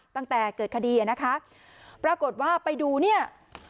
ตั้งแต่เกิดคดีอ่ะนะคะปรากฏว่าไปดูเนี่ย